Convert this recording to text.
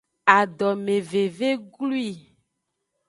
Adomeveve glwi.